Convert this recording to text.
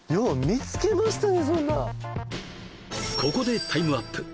ここでタイムアップ